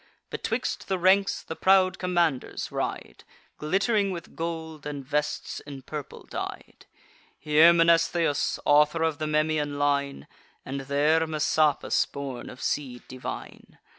Betwixt the ranks the proud commanders ride, Glitt'ring with gold, and vests in purple dyed; Here Mnestheus, author of the Memmian line, And there Messapus, born of seed divine.